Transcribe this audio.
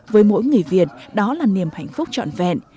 với mỗi người việt đó là niềm hạnh phúc trọn vẹn